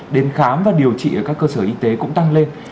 đến khám và điều trị ở các cơ sở y tế cũng tăng lên